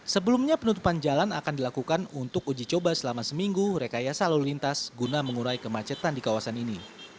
sebelumnya penutupan jalan akan dilakukan untuk uji coba selama seminggu rekayasa lalu lintas guna mengurai kemacetan di kawasan ini